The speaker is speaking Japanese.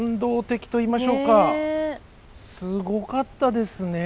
すごかったですね。